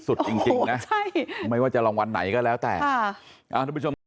สุดจริงนะไม่ว่าจะรางวัลไหนก็แล้วแต่ทุกผู้ชม